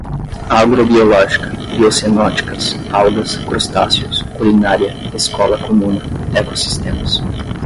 agro-biológica, biocenóticas, algas, crustáceos, culinária, escola-comuna, ecossistemas